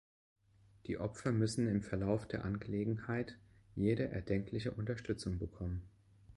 Die Opfer müssen im Verlauf der Angelegenheit jede erdenkliche Unterstützung bekommen.